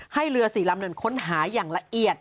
ให้เรือ๔ลำเดินค้นหาอย่างละเอียด